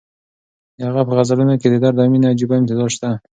د هغه په غزلونو کې د درد او مېنې عجیبه امتزاج شته.